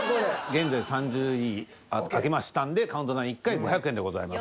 現在３０位開けましたんでカウントダウン１回５００円でございます。